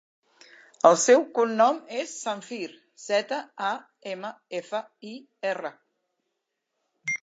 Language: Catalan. El seu cognom és Zamfir: zeta, a, ema, efa, i, erra.